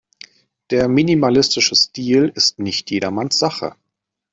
Der minimalistische Stil ist nicht jedermanns Sache.